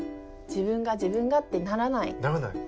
自分が自分がってならない。ならない。